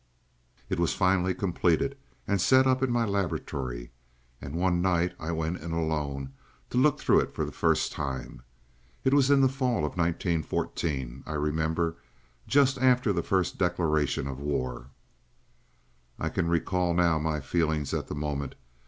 "It was finally completed and set up in my laboratory, and one night I went in alone to look through it for the first time. It was in the fall of 1914, I remember, just after the first declaration of war. "I can recall now my feelings at that moment.